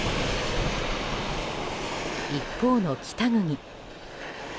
一方の北国。